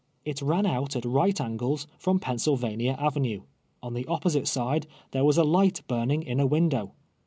It ran out at right angles from Pennsylvania Aveune. On the opposite side there was alight burning in a win dow.